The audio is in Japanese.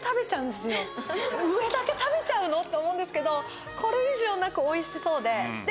上だけ食べちゃうの？って思うんですけどこれ以上なくおいしそうで。